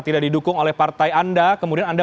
tidak didukung oleh partai anda kemudian anda